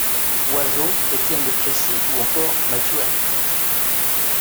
Oizo, Étienne de Crécy, ou encore Matthew Herbert.